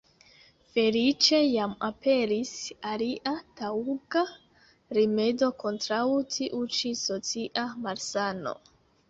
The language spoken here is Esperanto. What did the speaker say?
Feliĉe jam aperis alia taŭga rimedo kontraŭ tiu ĉi socia malsano.